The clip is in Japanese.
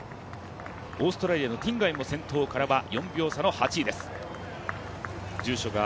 オーストラリアのティンゲイも４秒差の８位です。